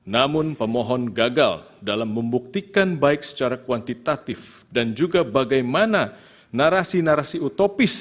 namun pemohon gagal dalam membuktikan baik secara kuantitatif dan juga bagaimana narasi narasi utopis